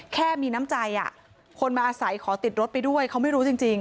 แค่มีน้ำใจคนมาอาศัยขอติดรถไปด้วยเขาไม่รู้จริง